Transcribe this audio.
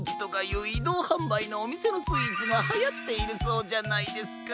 いどうはんばいのおみせのスイーツがはやっているそうじゃないですか。